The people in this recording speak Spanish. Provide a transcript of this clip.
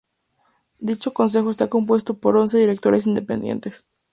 Dicho consejo está compuesto por once directores independientes.